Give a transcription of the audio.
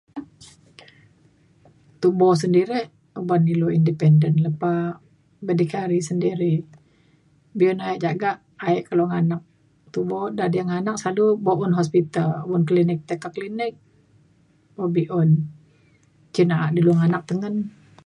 tubo sendiri oban ilu independent lepa berdikari sendiri be'un ek jagak aek keluk nganak tubo diak nganak sadu bo' un hospital un klinik tai kek klinik bo' be'un cen na'a ilu nganak tengen.